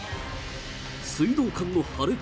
水道管の破裂？